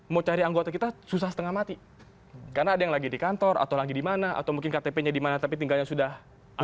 mau cari anggota kita susah setengah mati karena ada yang lagi di kantor atau lagi di mana atau mungkin ktp nya di mana tapi tinggalnya sudah